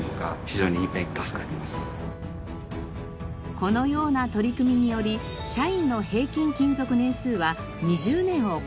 このような取り組みにより社員の平均勤続年数は２０年を超えています。